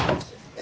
え？